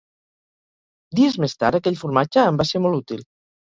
Dies més tard aquell formatge em va ser molt útil.